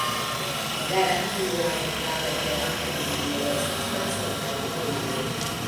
Garantii la nutradon de la familio estas tasko de la viroj.